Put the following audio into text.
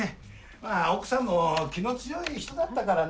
まあ奥さんも気の強い人だったからな。